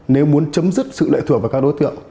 nếu muốn chấm dứt sự lệ thuộc vào các đối tượng